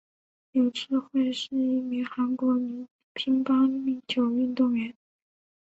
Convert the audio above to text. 柳智惠是一名韩国女子乒乓球运动员。